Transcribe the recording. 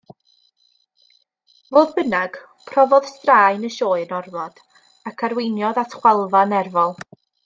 Fodd bynnag, profodd straen y sioe yn ormod, ac arweiniodd at chwalfa nerfol.